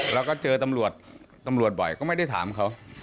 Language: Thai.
แล้วก็เจอตำรวจตำรวจบ่อยก็ไม่ได้ถามเขา